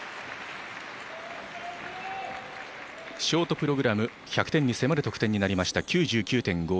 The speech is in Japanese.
ショートプログラムは１００点に迫る得点になりました。